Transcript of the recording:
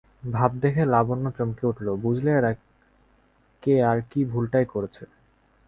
ভাব দেখে লাবণ্য চমকে উঠল, বুঝলে এরা কে আর কী ভুলটাই করেছে।